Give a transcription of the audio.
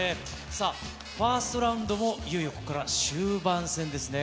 さあ、ファーストラウンドも、いよいよここから終盤戦ですね。